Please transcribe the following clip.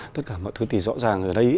tất cả mọi thứ thì rõ ràng ở đây